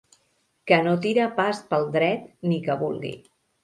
Que no tira pas pel dret, ni que vulgui.